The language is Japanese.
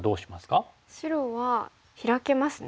白はヒラけますね。